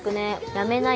「やめなよ」